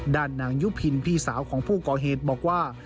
ด้านนางยุพินพี่สาวของผู้ก่อเหตุบอกว่า